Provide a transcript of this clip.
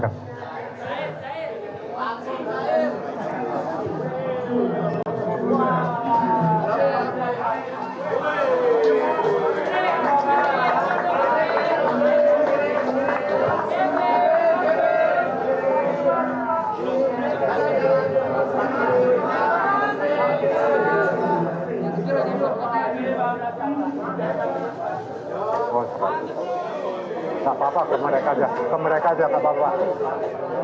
kemereka aja ke mereka aja pak bapak